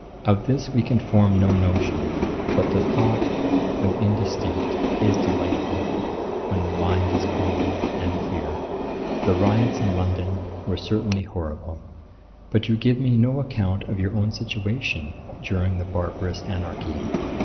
Of this we can form no notion; but the thought, though indistinct, is delightful, when the mind is calm and clear.' 'The riots in London were certainly horrible; but you give me no account of your own situation, during the barbarous anarchy.